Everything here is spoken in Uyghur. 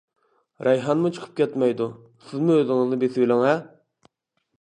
رەيھانمۇ چىقىپ كەتمەيدۇ، سىزمۇ ئۆزىڭىزنى بېسىۋېلىڭ ھە.